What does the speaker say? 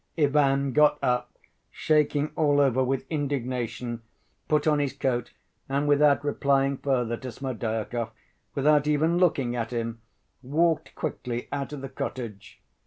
Ivan got up, shaking all over with indignation, put on his coat, and without replying further to Smerdyakov, without even looking at him, walked quickly out of the cottage.